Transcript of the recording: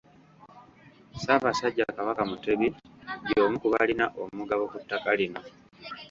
Ssaabasajja Kabaka Mutebi y’omu ku balina omugabo ku ttaka lino.